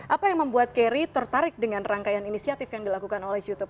apa yang membuat carry tertarik dengan rangkaian inisiatif yang dilakukan oleh youtube